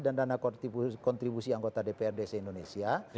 dan dana kontribusi anggota dprd se indonesia